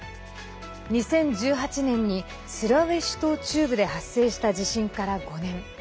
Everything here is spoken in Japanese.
２０１８年にスラウェシ島中部で発生した地震から５年。